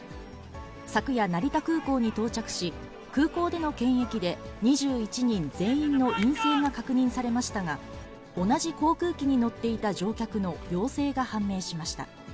昨夜、成田空港に到着し、空港での検疫で２１人全員の陰性が確認されましたが、同じ航空機に乗っていた乗客の陽性が判明しました。